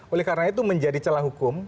oleh karena itu menjadi celah hukum